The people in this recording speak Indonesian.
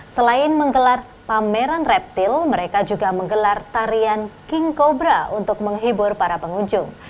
selain menggelar pameran reptil mereka juga menggelar tarian king cobra untuk menghibur para pengunjung